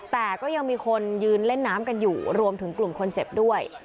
แต่ก็ยังมีคนยืนเล่นน้ำกันอยู่รวมถึงกลุ่มคนเจ็บด้วย